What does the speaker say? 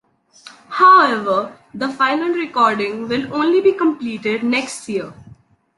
However, the final recording will only be completed next year.